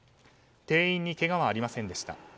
店員にけがはありませんでした。